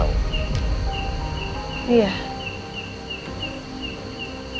aku pernah kesini